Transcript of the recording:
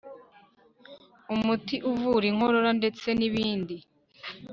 umuti uvura inkorora ndetse nibindi